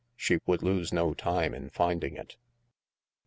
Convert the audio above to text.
She would lose no time in finding it.